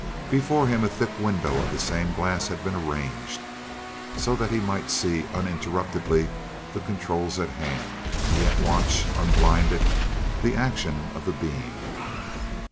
Before him, a thick window of the same glass had been arranged, so that he might see uninterruptedly the controls at hand, and yet watch unblinded, the action of the beam.